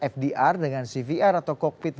fdr dengan cvr atau cockpit